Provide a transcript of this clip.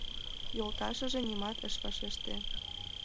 Йолташыже нимат ыш вашеште.